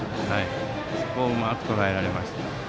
そこを、うまくとらえられました。